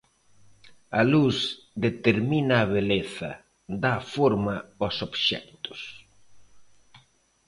A luz determina a beleza, dá forma aos obxectos.